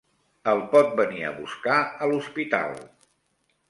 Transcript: El pot venir a buscar a l'hospital.